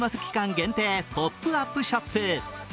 限定ポップアップショップ。